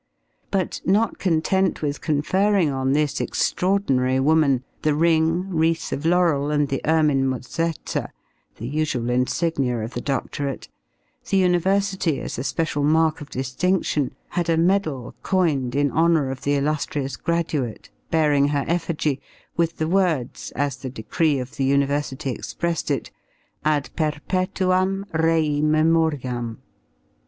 But not content with conferring on this extraordinary woman the ring, wreath of laurel and the ermine mozetta the usual insignia of the doctorate the University, as a special mark of distinction, had a medal coined in honor of the illustrious graduate bearing her effigy, with the words, as the decree of the University expressed it, ad perpetuam rei memoriam.